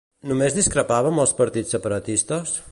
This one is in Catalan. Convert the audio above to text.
Només discrepava amb els partits separatistes?